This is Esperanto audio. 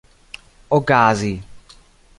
okazi